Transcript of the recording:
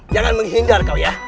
jangan menghindar kau ya